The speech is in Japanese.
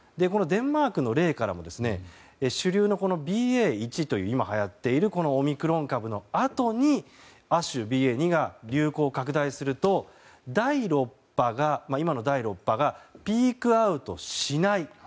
デンマークの例からも主流のＢＡ．１という今、はやっているオミクロン株のあとに亜種、ＢＡ．２が流行・拡大すると今の第６波がピークアウトしない。